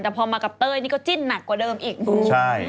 แต่พอมากับเตยก็จิ้นหนักกว่าเดิมเองดูใช่